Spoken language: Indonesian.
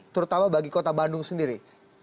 terutama bagi kota bandung sendiri